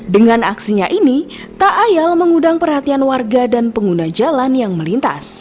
dengan aksinya ini tak ayal mengundang perhatian warga dan pengguna jalan yang melintas